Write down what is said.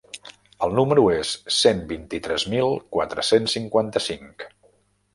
El numero és: cent vint-i-tres mil quatre-cents cinquanta-cinc.